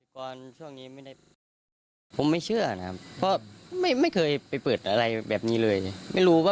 ส่องนี้เอาไว้รับเงินเดือนลูก